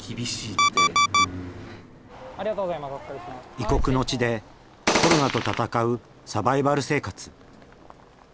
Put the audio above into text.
異国の地でコロナと戦うサバイバル生活。